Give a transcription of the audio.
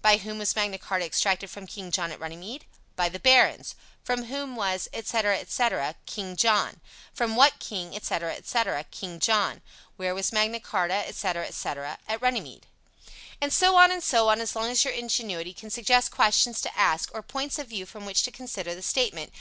"By whom was Magna Charta exacted from King John at Runnymede?" "By the barons." "From whom was," etc., etc.? "King John." "From what king," etc., etc.? "King John." "Where was Magna Charta," etc., etc.? "At Runnymede." And so on and so on, as long as your ingenuity can suggest questions to ask, or points of view from which to consider the statement.